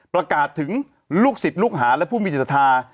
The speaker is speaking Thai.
ประกาศถึงลูกศิษย์ลูกหาและผู้มีจิตศรัทธา